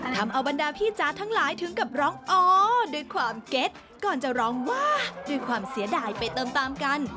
ทำเอาบรรดาพี่จ๊ะทั้งหลายถึงกับร้องอ๋อด้วยความเก็ตก่อนจะร้องว่าด้วยความเสียดายไปตามตามกัน